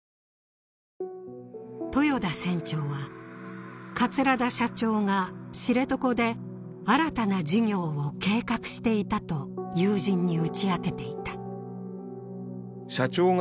豊田船長は桂田社長が知床で新たな事業を計画していたと友人に打ち明けていた。